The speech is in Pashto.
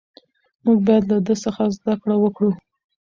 موږ باید له ده څخه زده کړه وکړو.